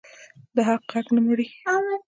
د حق غږ نه مري